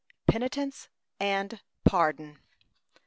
PENITENCE AND PARDON.